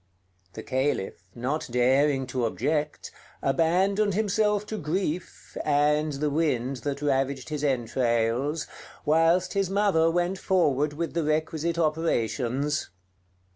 The Caliph, not daring to object, abandoned himself to grief, and the wind that ravaged his entrails, whilst his mother went forward with the requisite operations.